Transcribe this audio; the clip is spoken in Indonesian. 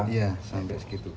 iya sampai segitu